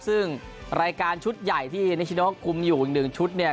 ซึ่งรายการชุดใหญ่ที่นิชโนคุมอยู่อีกหนึ่งชุดเนี่ย